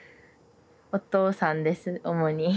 お父さんです主に。